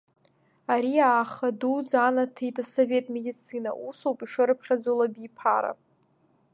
Ари ааха дуӡӡа анаҭеит Асовет медицина, усоуп ишырыԥхьаӡо лабиԥара…